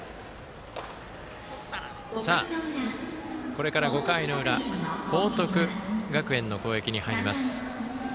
これから５回の裏報徳学園の攻撃に入ります。